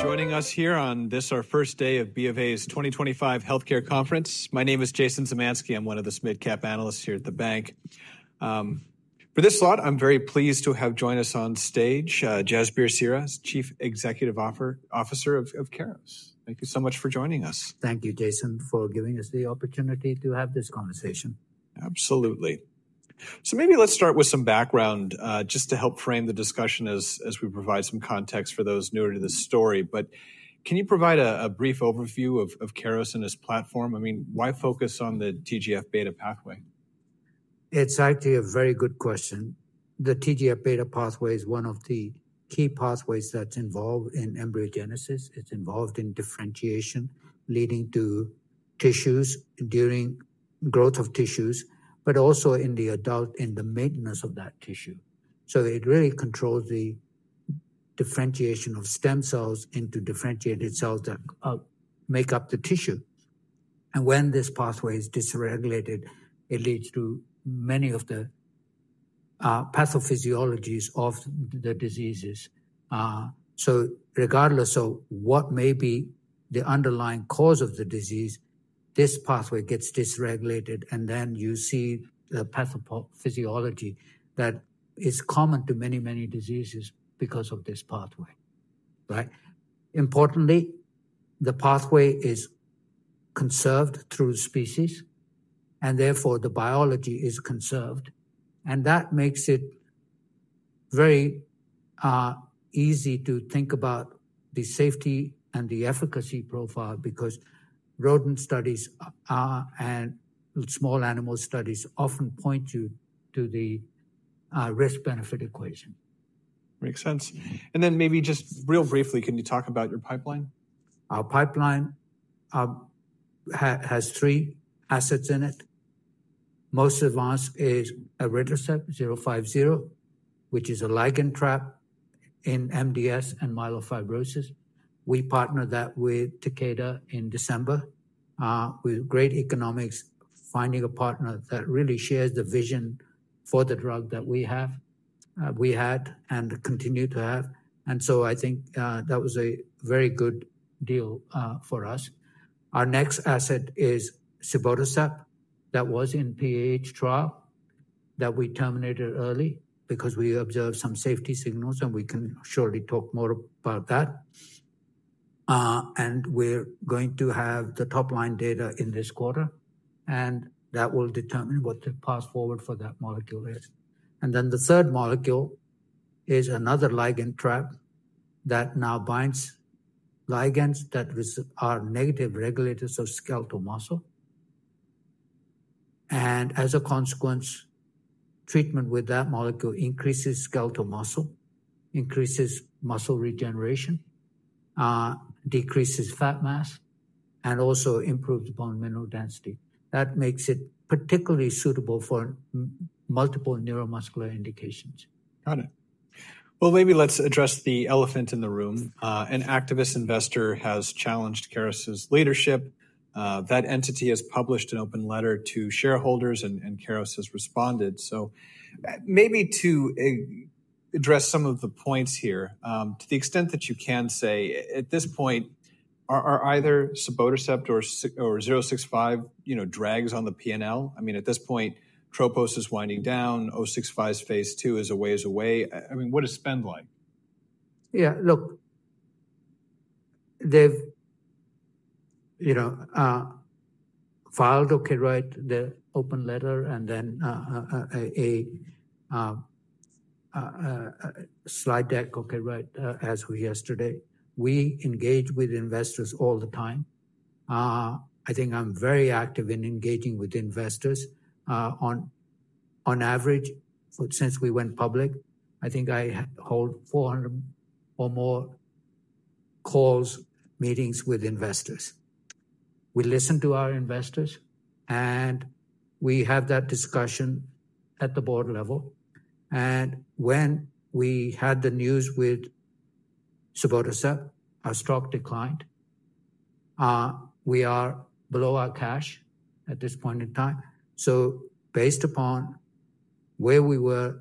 Joining us here on this our first day of BofA's 2025 Healthcare Conference. My name is Jason Zemansky. I'm one of the SMID-Cap Analysts here at the bank. For this slot, I'm very pleased to have join us on stage, Jasbir Seehra, Chief Executive Officer of Keros. Thank you so much for joining us. Thank you, Jason, for giving us the opportunity to have this conversation. Absolutely. Maybe let's start with some background just to help frame the discussion as we provide some context for those newer to the story. Can you provide a brief overview of Keros and its platform? I mean, why focus on the TGF-beta pathway? It's actually a very good question. The TGF-beta pathway is one of the key pathways that's involved in embryogenesis. It's involved in differentiation, leading to tissues, enduring growth of tissues, but also in the adult, in the maintenance of that tissue. It really controls the differentiation of stem cells into differentiated cells that make up the tissue. When this pathway is disregulated, it leads to many of the pathophysiologies of the diseases. Regardless of what may be the underlying cause of the disease, this pathway gets disregulated, and then you see the pathophysiology that is common to many, many diseases because of this pathway. Right? Importantly, the pathway is conserved through species, and therefore the biology is conserved. That makes it very easy to think about the safety and the efficacy profile because rodent studies and small animal studies often point you to the risk-benefit equation. Makes sense. And then maybe just real briefly, can you talk about your pipeline? Our pipeline has three assets in it. Most advanced is elritercept-050, which is a ligand trap in MDS and myelofibrosis. We partnered that with Takeda in December. We're great economics finding a partner that really shares the vision for the drug that we have, we had, and continue to have. I think that was a very good deal for us. Our next asset is cibotercept that was in PAH trial that we terminated early because we observed some safety signals, and we can surely talk more about that. We're going to have the top-line data in this quarter, and that will determine what the path forward for that molecule is. The third molecule is another ligand trap that now binds ligands that are negative regulators of skeletal muscle. As a consequence, treatment with that molecule increases skeletal muscle, increases muscle regeneration, decreases fat mass, and also improves bone mineral density. That makes it particularly suitable for multiple neuromuscular indications. Got it. Maybe let's address the elephant in the room. An activist investor has challenged Keros's leadership. That entity has published an open letter to shareholders, and Keros has responded. Maybe to address some of the points here, to the extent that you can say, at this point, are either cibotercept or 065, you know, drags on the PNL? I mean, at this point, TROPOS is winding down, 065's phase II is a ways away. I mean, what is spend like? Yeah, look, they've, you know, filed a copyright, the open letter, and then a slide deck, copyright, as of yesterday. We engage with investors all the time. I think I'm very active in engaging with investors. On average, since we went public, I think I hold 400 or more calls, meetings with investors. We listen to our investors, and we have that discussion at the board level. When we had the news with cibotercept, our stock declined. We are below our cash at this point in time. Based upon where we were,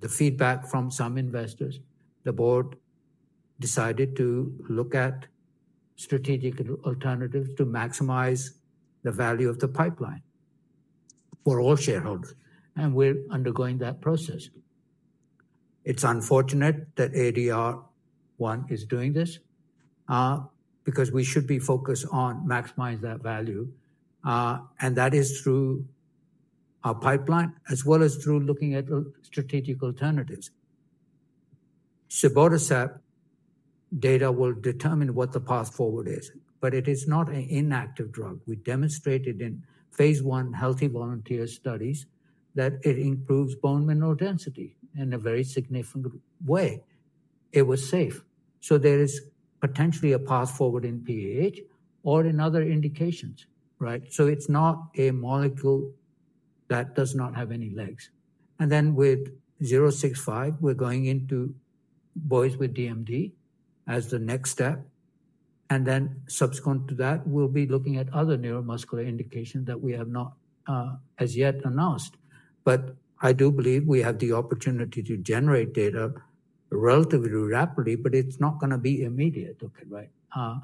the feedback from some investors, the board decided to look at strategic alternatives to maximize the value of the pipeline for all shareholders. We're undergoing that process. It's unfortunate that ADR One is doing this because we should be focused on maximizing that value. That is through our pipeline as well as through looking at strategic alternatives. Cibotercept data will determine what the path forward is, but it is not an inactive drug. We demonstrated in phase I healthy volunteer studies that it improves bone mineral density in a very significant way. It was safe. There is potentially a path forward in PAH or in other indications, right? It is not a molecule that does not have any legs. With 065, we are going into boys with DMD as the next step. Subsequent to that, we will be looking at other neuromuscular indications that we have not as yet announced. I do believe we have the opportunity to generate data relatively rapidly, but it is not going to be immediate, right?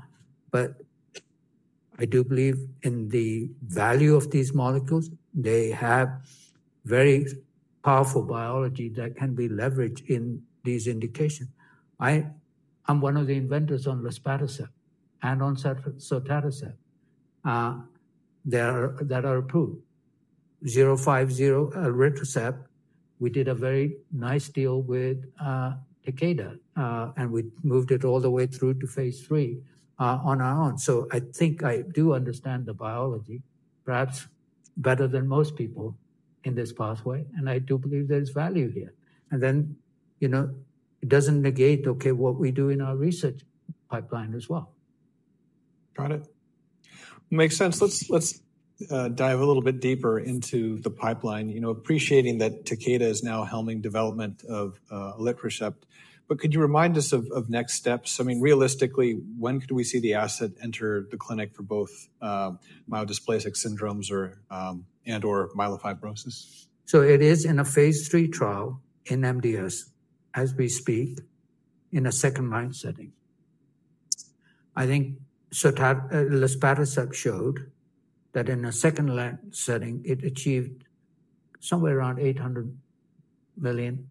I do believe in the value of these molecules. They have very powerful biology that can be leveraged in these indications. I'm one of the inventors on luspatercept and on sotatercept that are approved. 050 elritercept, we did a very nice deal with Takeda, and we moved it all the way through to phase III on our own. I think I do understand the biology, perhaps better than most people in this pathway, and I do believe there's value here. You know, it doesn't negate what we do in our research pipeline as well. Got it. Makes sense. Let's dive a little bit deeper into the pipeline. You know, appreciating that Takeda is now helming development of elritercept, but could you remind us of next steps? I mean, realistically, when could we see the asset enter the clinic for both myelodysplastic syndromes and/or myelofibrosis? It is in a phase III trial in MDS as we speak in a second-line setting. I think luspatercept showed that in a second-line setting, it achieved somewhere around $800 million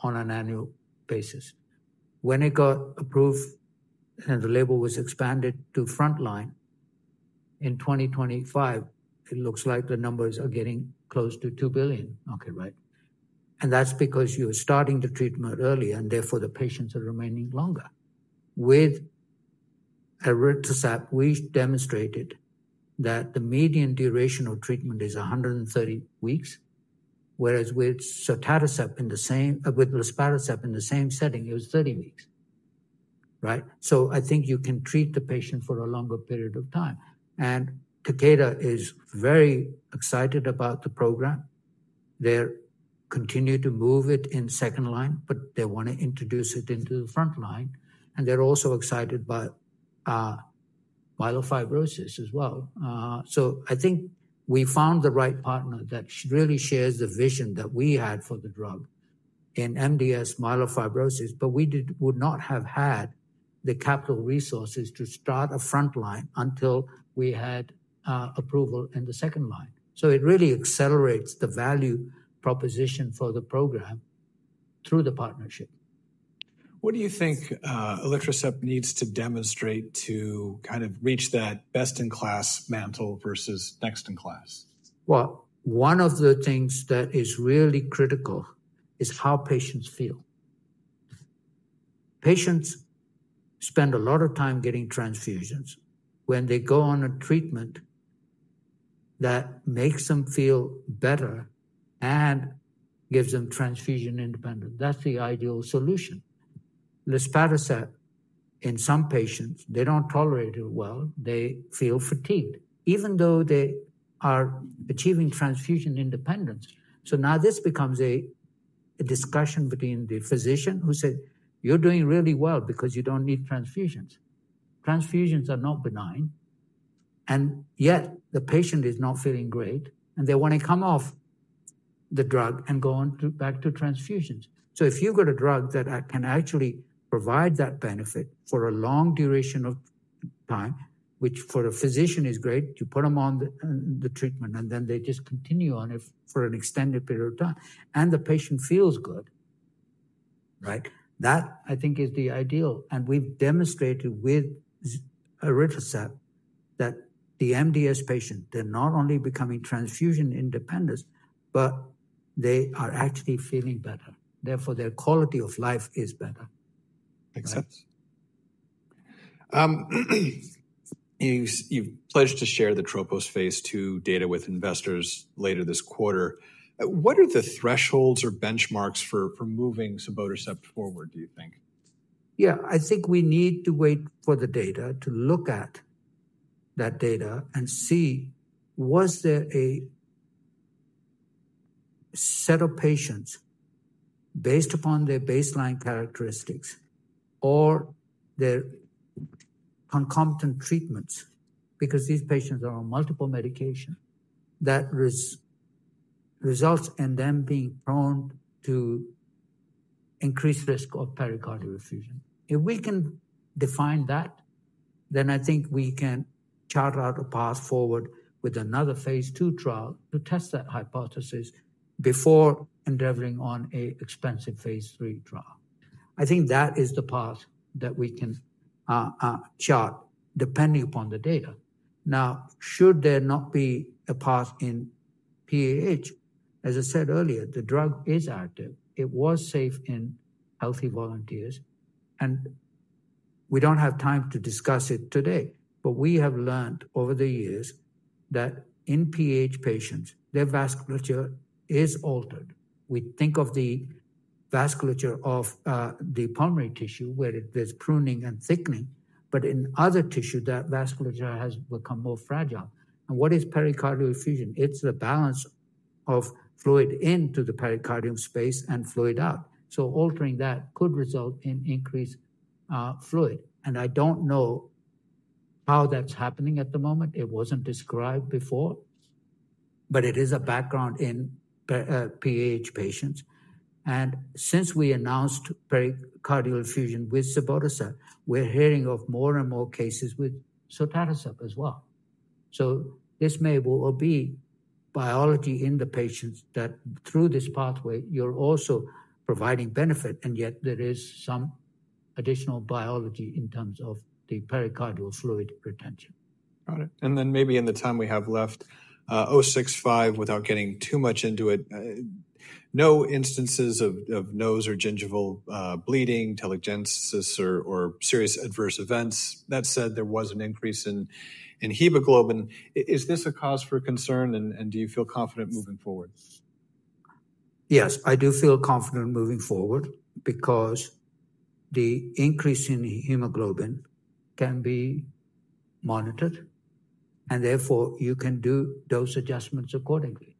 on an annual basis. When it got approved and the label was expanded to frontline in 2025, it looks like the numbers are getting close to $2 billion, right? That's because you're starting the treatment early and therefore the patients are remaining longer. With elritercept, we demonstrated that the median duration of treatment is 130 weeks, whereas with luspatercept in the same setting, it was 30 weeks, right? I think you can treat the patient for a longer period of time. Takeda is very excited about the program. They continue to move it in second line, but they want to introduce it into the front line. They are also excited by myelofibrosis as well. I think we found the right partner that really shares the vision that we had for the drug in MDS myelofibrosis, but we would not have had the capital resources to start a front line until we had approval in the second line. It really accelerates the value proposition for the program through the partnership. What do you think elritercept needs to demonstrate to kind of reach that best-in-class mantle versus next-in-class? One of the things that is really critical is how patients feel. Patients spend a lot of time getting transfusions. When they go on a treatment that makes them feel better and gives them transfusion independence, that's the ideal solution. Luspatercept, in some patients, they don't tolerate it well. They feel fatigued, even though they are achieving transfusion independence. Now this becomes a discussion between the physician who says, "You're doing really well because you don't need transfusions." Transfusions are not benign, and yet the patient is not feeling great, and they want to come off the drug and go back to transfusions. If you have got a drug that can actually provide that benefit for a long duration of time, which for a physician is great, you put them on the treatment and then they just continue on it for an extended period of time, and the patient feels good, right? That I think is the ideal. We have demonstrated with elritercept that the MDS patient, they are not only becoming transfusion independent, but they are actually feeling better. Therefore, their quality of life is better. Makes sense. You've pledged to share the TROPOS phase II data with investors later this quarter. What are the thresholds or benchmarks for moving cibotercept forward, do you think? Yeah, I think we need to wait for the data to look at that data and see was there a set of patients based upon their baseline characteristics or their concomitant treatments because these patients are on multiple medications that results in them being prone to increased risk of pericardial effusion. If we can define that, then I think we can chart out a path forward with another phase II trial to test that hypothesis before endeavoring on an expensive phase III trial. I think that is the path that we can chart depending upon the data. Now, should there not be a path in PAH, as I said earlier, the drug is active. It was safe in healthy volunteers, and we don't have time to discuss it today, but we have learned over the years that in PAH patients, their vasculature is altered. We think of the vasculature of the pulmonary tissue where there's pruning and thickening, but in other tissue, that vasculature has become more fragile. What is pericardial effusion? It's the balance of fluid into the pericardium space and fluid out. Altering that could result in increased fluid. I don't know how that's happening at the moment. It wasn't described before, but it is a background in PAH patients. Since we announced pericardial effusion with cibotercept, we're hearing of more and more cases with sotatercept as well. This may well be biology in the patients that through this pathway, you're also providing benefit, and yet there is some additional biology in terms of the pericardial fluid retention. Got it. Maybe in the time we have left, 065, without getting too much into it, no instances of nose or gingival bleeding, telangiectasis or serious adverse events. That said, there was an increase in hemoglobin. Is this a cause for concern, and do you feel confident moving forward? Yes, I do feel confident moving forward because the increase in hemoglobin can be monitored, and therefore you can do dose adjustments accordingly.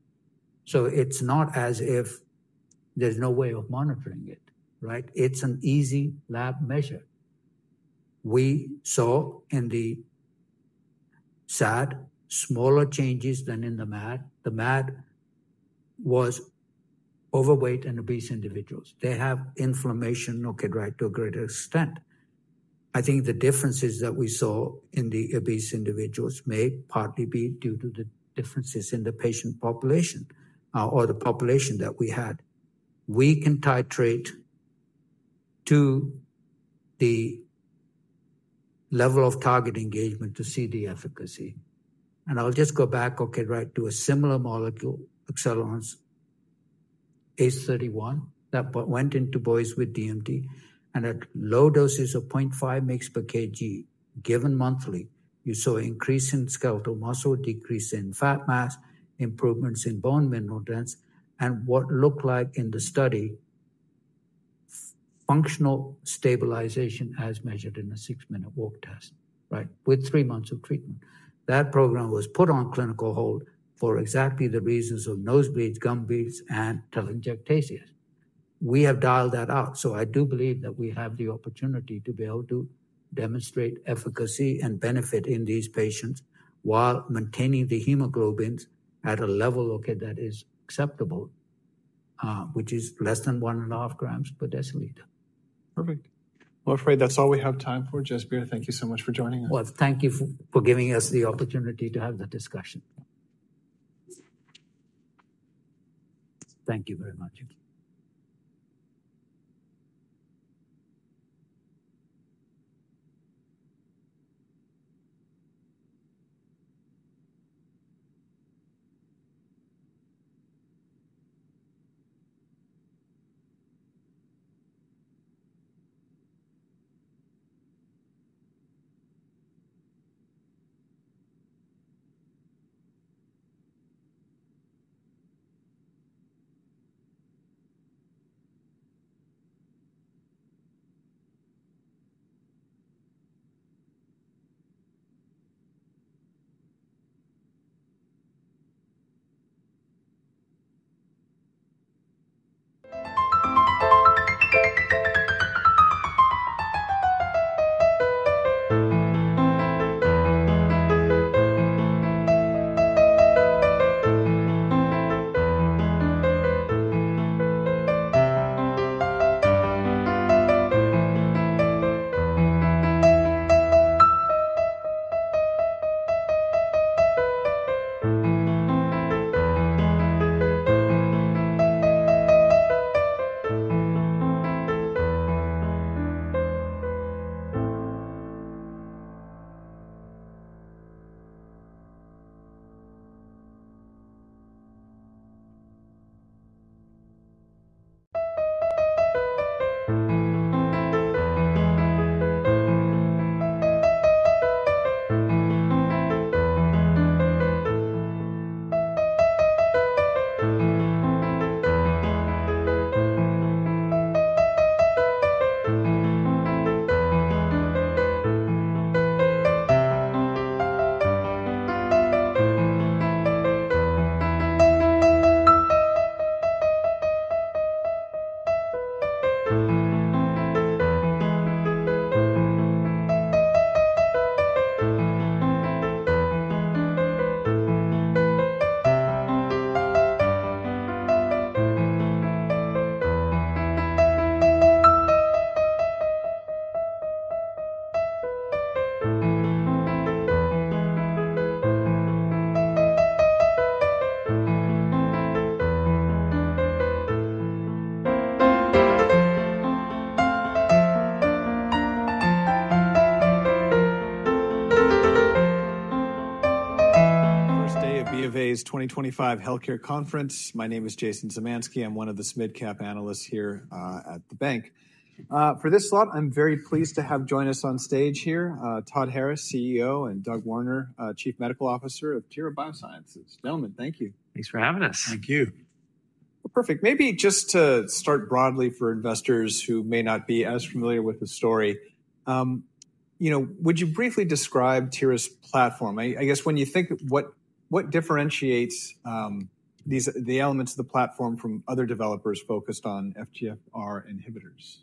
It is not as if there is no way of monitoring it, right? It is an easy lab measure. We saw in the SAD smaller changes than in the MAD. The MAD was overweight and obese individuals. They have inflammation, okay, right, to a greater extent. I think the differences that we saw in the obese individuals may partly be due to the differences in the patient population or the population that we had. We can titrate to the level of target engagement to see the efficacy. I'll just go back, okay, right, to a similar molecule, ACE-031, that went into boys with DMD, and at low doses of 0.5 mg per kg given monthly, you saw increase in skeletal muscle, decrease in fat mass, improvements in bone mineral density, and what looked like in the study, functional stabilization as measured in a six-minute walk test, right, with three months of treatment. That program was put on clinical hold for exactly the reasons of nosebleeds, gum bleeds, and telangiectasias. We have dialed that out. I do believe that we have the opportunity to be able to demonstrate efficacy and benefit in these patients while maintaining the hemoglobins at a level, okay, that is acceptable, which is less than 1.5 grams per deciliter. Perfect. I am afraid that's all we have time for, Jasbir Seehra. Thank you so much for joining us. Thank you for giving us the opportunity to have the discussion. Thank you very much. First day of BofA's 2025 Healthcare Conference. My name is Jason Zemansky. I'm one of the SMID-Cap Analysts here at the bank. For this slot, I'm very pleased to have join us on stage here, Todd Harris, CEO, and Doug Warner, Chief Medical Officer of Tyra Biosciences. Gentlemen, thank you. Thanks for having us. Thank you. Perfect. Maybe just to start broadly for investors who may not be as familiar with the story, you know, would you briefly describe Keros's platform? I guess when you think, what differentiates the elements of the platform from other developers focused on FGFR inhibitors?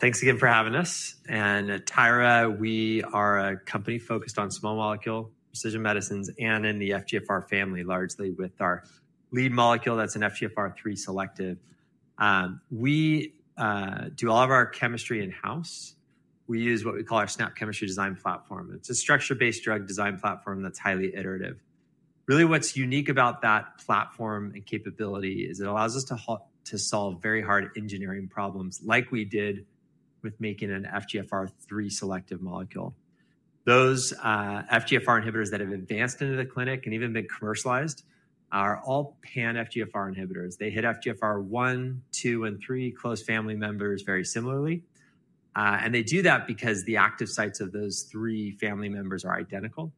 Thank you again for having us. At Tyra, we are a company focused on small molecule precision medicines and in the FGFR family, largely with our lead molecule that is an FGFR3 selective. We do all of our chemistry in-house. We use what we call our SNAP Chemistry Design Platform. It is a structure-based drug design platform that is highly iterative. Really, what is unique about that platform and capability is it allows us to solve very hard engineering problems like we did with making an FGFR3 selective molecule. Those FGFR inhibitors that have advanced into the clinic and even been commercialized are all pan-FGFR inhibitors. They hit FGFR1, 2, and 3 close family members very similarly. They do that because the active sites of those three family members are identical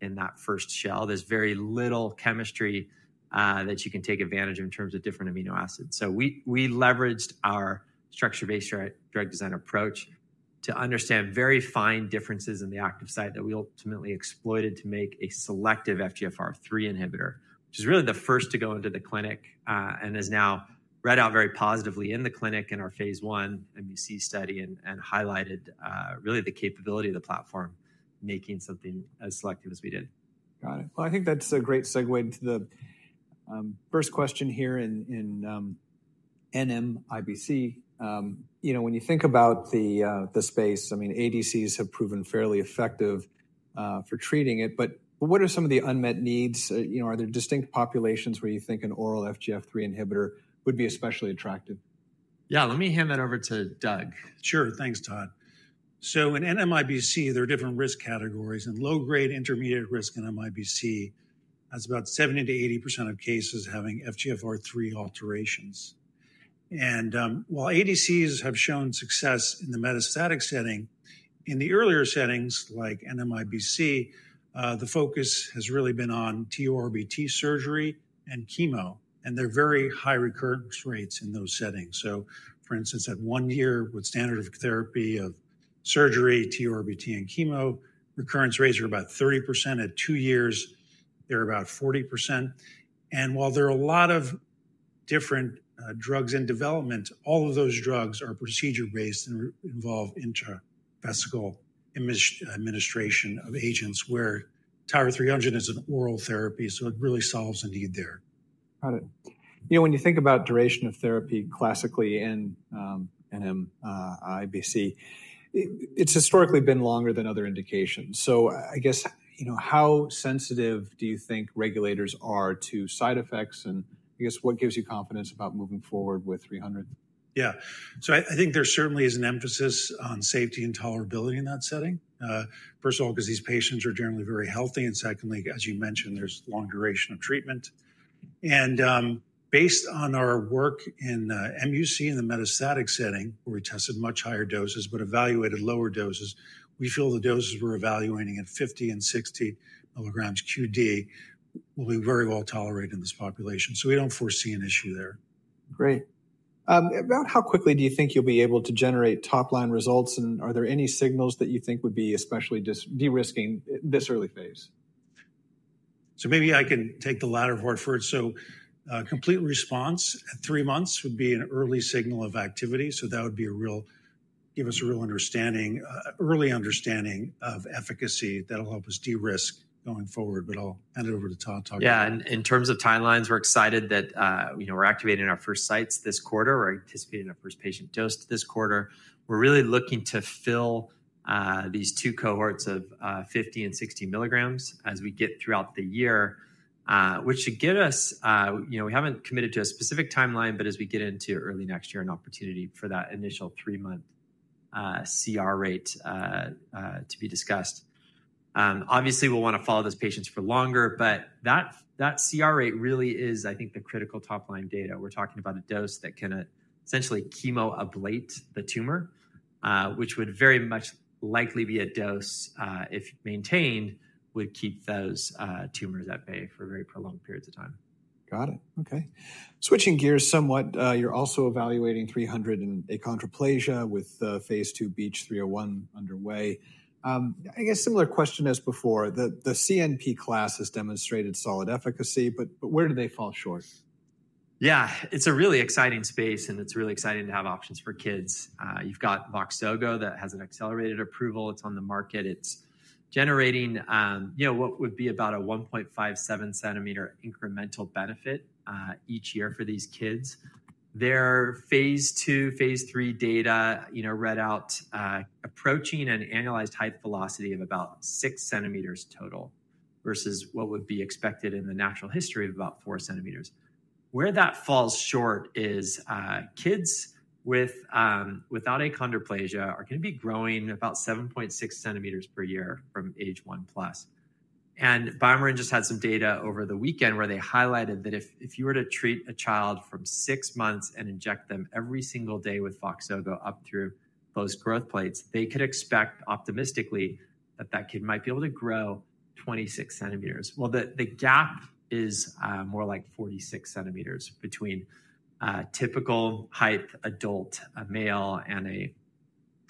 in that first shell. There is very little chemistry that you can take advantage of in terms of different amino acids. We leveraged our structure-based drug design approach to understand very fine differences in the active site that we ultimately exploited to make a selective FGFR3 inhibitor, which is really the first to go into the clinic and has now read out very positively in the clinic in our phase I MEC study and highlighted really the capability of the platform making something as selective as we did. Got it. I think that's a great segue into the first question here in NMIBC. You know, when you think about the space, I mean, ADCs have proven fairly effective for treating it, but what are some of the unmet needs? You know, are there distinct populations where you think an oral FGFR3 inhibitor would be especially attractive? Yeah, let me hand that over to Doug. Sure, thanks, Todd. In NMIBC, there are different risk categories. In low-grade intermediate risk NMIBC, that's about 70-80% of cases having FGFR3 alterations. While ADCs have shown success in the metastatic setting, in the earlier settings like NMIBC, the focus has really been on TURBT surgery and chemo, and there are very high recurrence rates in those settings. For instance, at one year with standard of therapy of surgery, TURBT and chemo, recurrence rates are about 30%. At two years, they're about 40%. While there are a lot of different drugs in development, all of those drugs are procedure-based and involve intravesical administration of agents, where TYRA-300 is an oral therapy, so it really solves a need there. Got it. You know, when you think about duration of therapy classically in NMIBC, it's historically been longer than other indications. I guess, you know, how sensitive do you think regulators are to side effects? I guess what gives you confidence about moving forward with 300? Yeah, so I think there certainly is an emphasis on safety and tolerability in that setting. First of all, because these patients are generally very healthy. Secondly, as you mentioned, there is long duration of treatment. Based on our work in MUC in the metastatic setting, where we tested much higher doses but evaluated lower doses, we feel the doses we are evaluating at 50 and 60 milligrams q.d. will be very well tolerated in this population. We do not foresee an issue there. Great. About how quickly do you think you'll be able to generate top-line results? Are there any signals that you think would be especially de-risking this early phase? Maybe I can take the latter part first. Complete response at three months would be an early signal of activity. That would give us a real understanding, early understanding of efficacy that'll help us de-risk going forward. I'll hand it over to Todd to talk. Yeah, and in terms of timelines, we're excited that, you know, we're activating our first sites this quarter. We're anticipating our first patient dose this quarter. We're really looking to fill these two cohorts of 50 and 60 milligrams as we get throughout the year, which should get us, you know, we haven't committed to a specific timeline, but as we get into early next year, an opportunity for that initial three-month CR rate to be discussed. Obviously, we'll want to follow those patients for longer, but that CR rate really is, I think, the critical top-line data. We're talking about a dose that can essentially chemo-ablate the tumor, which would very much likely be a dose if maintained, would keep those tumors at bay for very prolonged periods of time. Got it. Okay. Switching gears somewhat, you're also evaluating 300 and achondroplasia with phase II BH301 underway. I guess similar question as before, the CNP class has demonstrated solid efficacy, but where do they fall short? Yeah, it's a really exciting space, and it's really exciting to have options for kids. You've got VOXZOGO that has an accelerated approval. It's on the market. It's generating, you know, what would be about a 1.57 cm incremental benefit each year for these kids. Their phase II, phase III data, you know, read out approaching an analyzed height velocity of about 6 cm total versus what would be expected in the natural history of about 4 cm. Where that falls short is kids without achondroplasia are going to be growing about 7.6 cm per year from age one plus. And BioMarin just had some data over the weekend where they highlighted that if you were to treat a child from six months and inject them every single day with VOXZOGO up through those growth plates, they could expect optimistically that that kid might be able to grow 26 cm. The gap is more like 46 cm between typical height adult male and a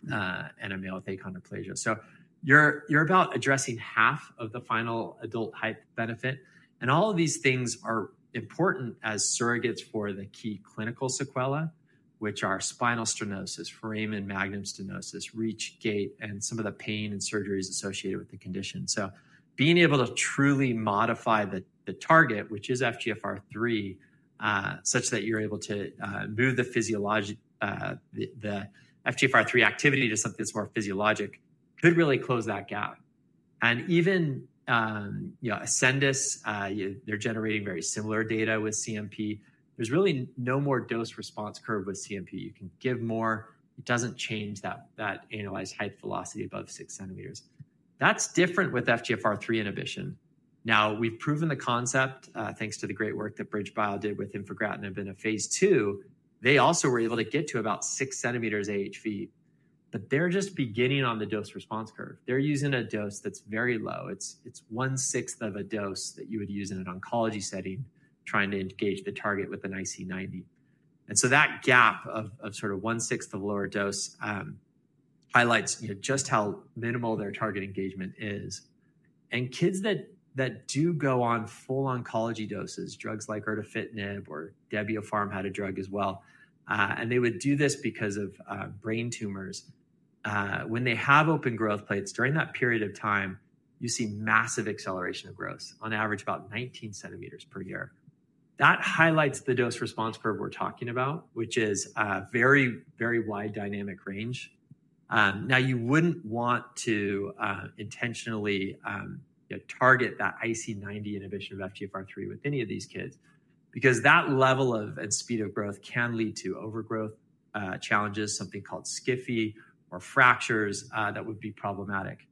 male with achondroplasia. You're about addressing half of the final adult height benefit. All of these things are important as surrogates for the key clinical sequelae, which are spinal stenosis, foramen magnum stenosis, reach gait, and some of the pain and surgeries associated with the condition. Being able to truly modify the target, which is FGFR3, such that you're able to move the FGFR3 activity to something that's more physiologic could really close that gap. Even, you know, Ascendis, they're generating very similar data with CNP. There's really no more dose response curve with CNP. You can give more. It doesn't change that analyzed height velocity above 6 cm. That's different with FGFR3 inhibition. Now, we've proven the concept thanks to the great work that BridgeBio did with infragastrinib in a phase II. They also were able to get to about 6 cm AHV, but they're just beginning on the dose response curve. They're using a dose that's very low. It's one-sixth of a dose that you would use in an oncology setting trying to engage the target with an IC90. That gap of sort of one-sixth of lower dose highlights just how minimal their target engagement is. Kids that do go on full oncology doses, drugs like erdafitinib or Debiofarm had a drug as well, and they would do this because of brain tumors, when they have open growth plates, during that period of time, you see massive acceleration of growth, on average about 19 cm per year. That highlights the dose response curve we're talking about, which is a very, very wide dynamic range. Now, you wouldn't want to intentionally target that IC90 inhibition of FGFR3 with any of these kids because that level of and speed of growth can lead to overgrowth challenges, something called skiffy or fractures that would be problematic.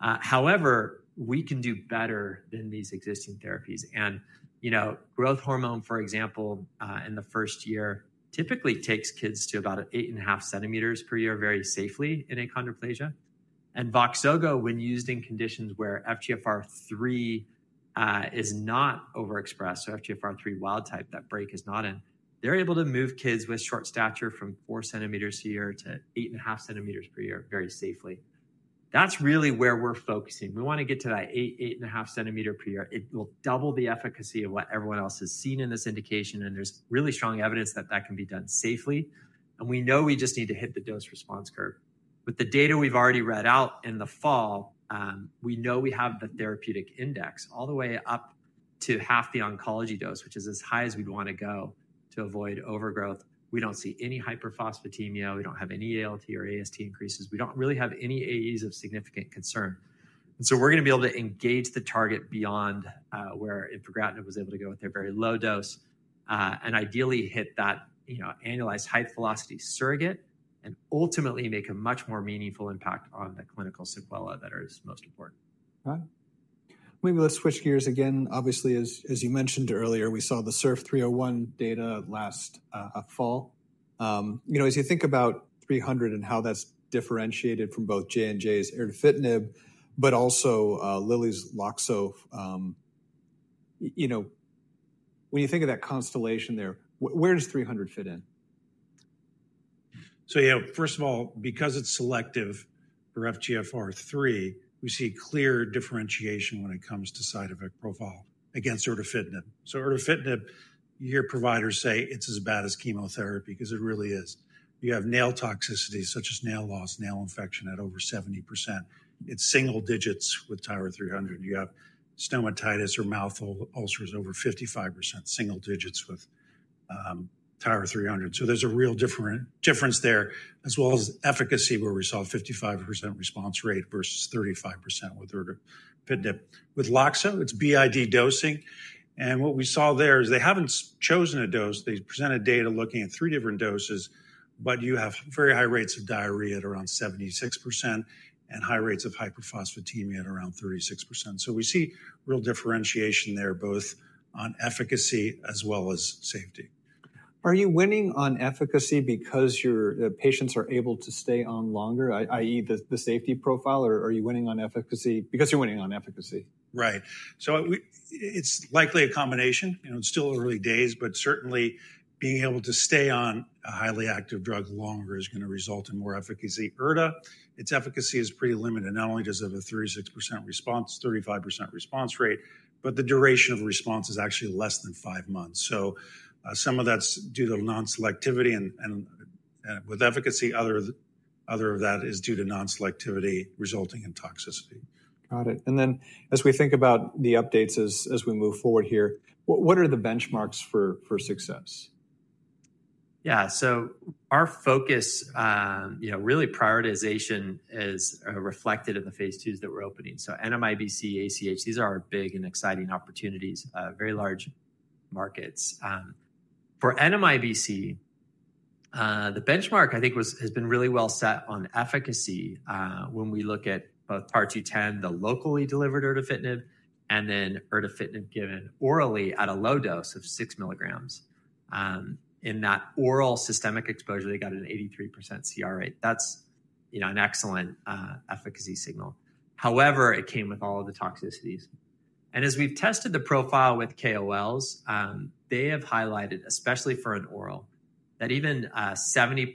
However, we can do better than these existing therapies. You know, growth hormone, for example, in the first year typically takes kids to about 8.5 cm per year very safely in achondroplasia. VOXZOGO, when used in conditions where FGFR3 is not overexpressed, so FGFR3 wild type, that break is not in, they're able to move kids with short stature from 4 cm a year to 8.5 cm per year very safely. That's really where we're focusing. We want to get to that 8.5 cm per year. It will double the efficacy of what everyone else has seen in this indication, and there's really strong evidence that that can be done safely. We know we just need to hit the dose response curve. With the data we've already read out in the fall, we know we have the therapeutic index all the way up to half the oncology dose, which is as high as we'd want to go to avoid overgrowth. We don't see any hyperphosphatemia. We don't have any ALT or AST increases. We don't really have any AEs of significant concern. We're going to be able to engage the target beyond where infragastrinib was able to go with their very low dose and ideally hit that, you know, analyzed height velocity surrogate and ultimately make a much more meaningful impact on the clinical sequelae that are as most important. Got it. Maybe let's switch gears again. Obviously, as you mentioned earlier, we saw the SERF301 data last fall. You know, as you think about 300 and how that's differentiated from both J&J's erdafitinib, but also Lilly's Loxo, you know, when you think of that constellation there, where does 300 fit in? So, you know, first of all, because it's selective for FGFR3, we see clear differentiation when it comes to side effect profile against erdafitinib. So erdafitinib, you hear providers say it's as bad as chemotherapy because it really is. You have nail toxicity such as nail loss, nail infection at over 70%. It's single digits with TYRA-300. You have stomatitis or mouth ulcers over 55%, single digits with TYRA-300. So there's a real difference there, as well as efficacy where we saw a 55% response rate versus 35% with erdafitinib. With Loxo, it's BID dosing. And what we saw there is they haven't chosen a dose. They presented data looking at three different doses, but you have very high rates of diarrhea at around 76% and high rates of hyperphosphatemia at around 36%. So we see real differentiation there both on efficacy as well as safety. Are you winning on efficacy because your patients are able to stay on longer, i.e., the safety profile? Or are you winning on efficacy because you're winning on efficacy? Right. So it's likely a combination. You know, it's still early days, but certainly being able to stay on a highly active drug longer is going to result in more efficacy. Erta, its efficacy is pretty limited. Not only does it have a 36% response, 35% response rate, but the duration of response is actually less than five months. Some of that's due to non-selectivity. And with efficacy, other of that is due to non-selectivity resulting in toxicity. Got it. As we think about the updates as we move forward here, what are the benchmarks for success? Yeah, so our focus, you know, really prioritization is reflected in the phase II's that we're opening. NMIBC, ACH, these are our big and exciting opportunities, very large markets. For NMIBC, the benchmark, I think, has been really well set on efficacy when we look at both TAR-210, the locally delivered erdafitinib, and then erdafitinib given orally at a low dose of 6 milligrams. In that oral systemic exposure, they got an 83% CR rate. That's, you know, an excellent efficacy signal. However, it came with all of the toxicities. As we've tested the profile with KOLs, they have highlighted, especially for an oral, that even a 70%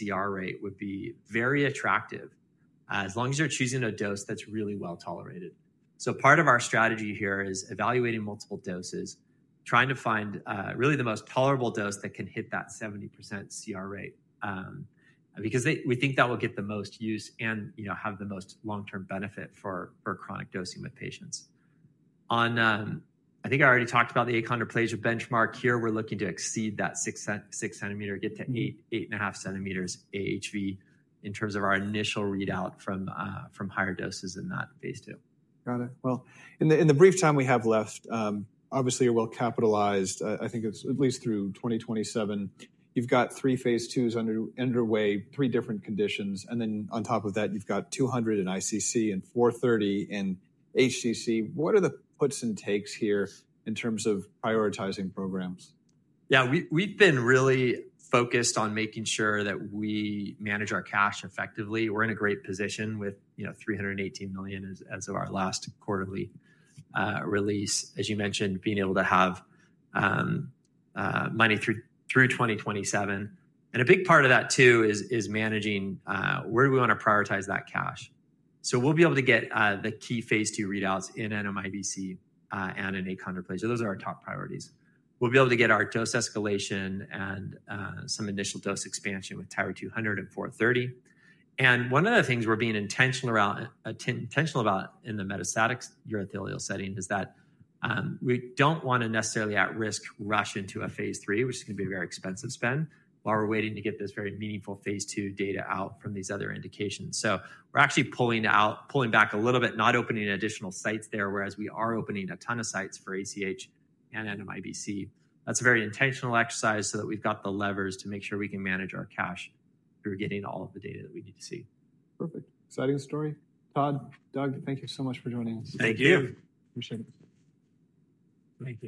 CR rate would be very attractive as long as you're choosing a dose that's really well tolerated. Part of our strategy here is evaluating multiple doses, trying to find really the most tolerable dose that can hit that 70% CR rate because we think that will get the most use and, you know, have the most long-term benefit for chronic dosing with patients. I think I already talked about the achondroplasia benchmark. Here, we're looking to exceed that 6 cm, get to 8.5 cm AHV in terms of our initial readout from higher doses in that phase II. Got it. In the brief time we have left, obviously you're well capitalized. I think it's at least through 2027. You've got three phase II underway, three different conditions. Then on top of that, you've got 200 in ICC and 430 in HCC. What are the puts and takes here in terms of prioritizing programs? Yeah, we've been really focused on making sure that we manage our cash effectively. We're in a great position with, you know, $318 million as of our last quarterly release, as you mentioned, being able to have money through 2027. A big part of that too is managing where do we want to prioritize that cash. We'll be able to get the key phase II readouts in NMIBC and in achondroplasia. Those are our top priorities. We'll be able to get our dose escalation and some initial dose expansion with TYRA-200 and 430. One of the things we're being intentional about in the metastatic urothelial setting is that we don't want to necessarily at risk rush into a phase III, which is going to be a very expensive spend while we're waiting to get this very meaningful phase II data out from these other indications. We're actually pulling back a little bit, not opening additional sites there, whereas we are opening a ton of sites for ACH and NMIBC. That's a very intentional exercise so that we've got the levers to make sure we can manage our cash through getting all of the data that we need to see. Perfect. Exciting story. Todd, Doug, thank you so much for joining us. Thank you. Appreciate it. Thank you.